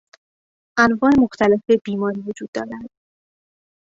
انواع مختلف بیماری وجود دارد.